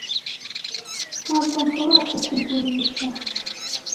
Ntabwo nshobora kukugurisha.